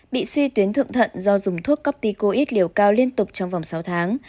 bị suy tuyến thượng thận do dùng thuốc corpticoid liều cao liên tục trong vòng sáu tháng